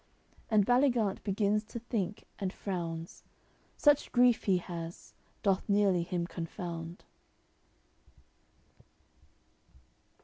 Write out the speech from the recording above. And Baligant begins to think, and frowns; Such grief he has, doth nearly him confound.